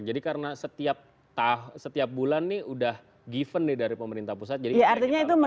jadi karena setiap bulan ini udah given dari pemerintah pusat